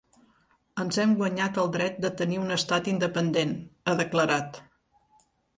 Ens hem guanyat el dret de tenir un estat independent, ha declarat.